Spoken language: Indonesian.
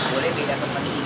boleh beda teman teman